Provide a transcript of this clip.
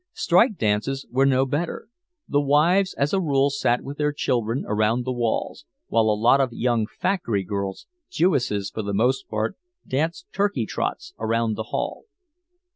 Strike dances were no better. The wives as a rule sat with their children around the walls while a lot of young factory girls, Jewesses for the most part, danced turkey trots around the hall."